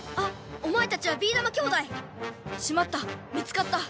おまえたちはビーだま兄弟！しまった見つかった！